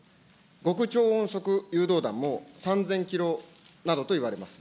極超音速誘導弾も３０００キロなどといわれます。